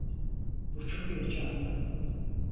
Bu çok heyecanlı.